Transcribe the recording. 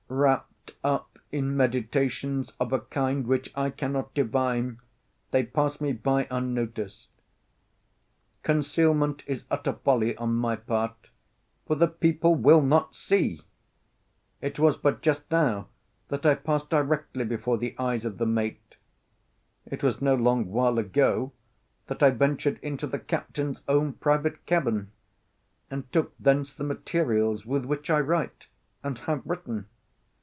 Wrapped up in meditations of a kind which I cannot divine, they pass me by unnoticed. Concealment is utter folly on my part, for the people will not see. It was but just now that I passed directly before the eyes of the mate; it was no long while ago that I ventured into the captain's own private cabin, and took thence the materials with which I write, and have written.